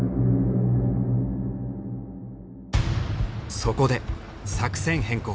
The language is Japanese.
そこで作戦変更。